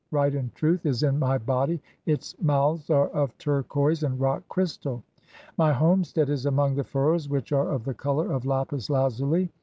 right and truth) "is in my (8) body ; its mouths are of turquoise and rock crystal. "My homestead is among the furrows which are [of the colour "of] lapis lazuli.